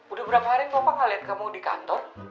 udah berapa hari bapak gak liat kamu di kantor